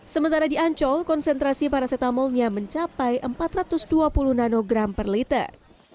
sementara di ancol konsentrasi paracetamolnya mencapai empat ratus dua puluh nanogram per liter